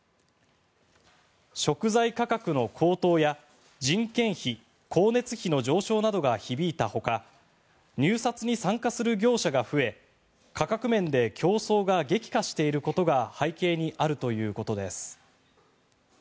食材価格の高騰や人件費・光熱費の上昇などが響いたほか入札に参加する業者が増え価格面で競争が激化していることが背景にあるということです。